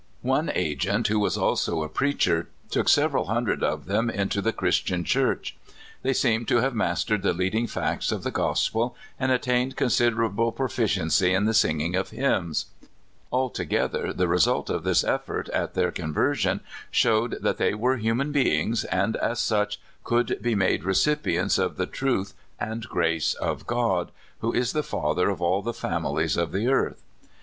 One agent, who was also a preacher, took several hundred of them into the Christian Church. They seemed to have mastered the leading facts of the gospel, and attained con siderable proficiency in the singing of hymns. Altogether, the result of this effort at their conver sion showed that they were human beings, and as such could be made recipients of the truth and grace of God, who is the Father of all the families of the earth.